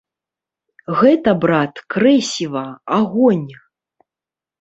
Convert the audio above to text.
Гэта, брат, крэсіва, агонь!